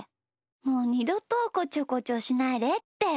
もうにどとこちょこちょしないでって。